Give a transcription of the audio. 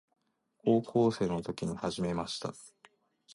高校生の時に始めました。